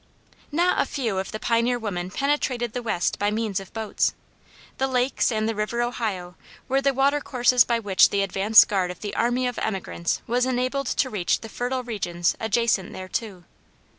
Not a few of the pioneer women penetrated the West by means of boats. The Lakes and the River Ohio were the water courses by which the advance guard of the army of emigrants was enabled to reach the fertile regions adjacent thereto.